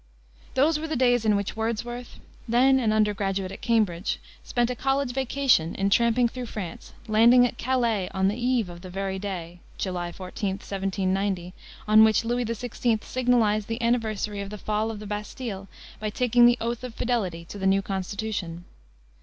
Those were the days in which Wordsworth, then an under graduate at Cambridge, spent a college vacation in tramping through France, landing at Calais on the eve of the very day (July 14, 1790) on which Louis XVI. signalized the anniversary of the fall of the Bastile by taking the oath of fidelity to the new Constitution.